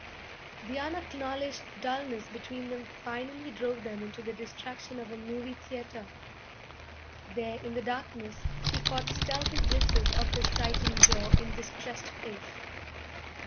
The unacknowledged dullness between them finally drove them into the distraction of a movie theatre. There, in the darkness, she caught stealthy glimpses of his tightened jaw and distressed face.